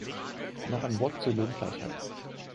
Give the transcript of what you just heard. Noch ein Wort zur Lohngleichheit.